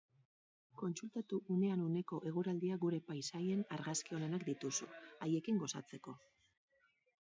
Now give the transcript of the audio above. Kontsultatu unean uneko eguraldia gure paisaien argazki onenak dituzu, haiekin gozatzeko.